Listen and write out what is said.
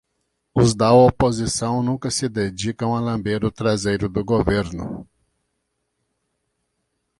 Os da oposição nunca se dedicam a lamber o traseiro do governo.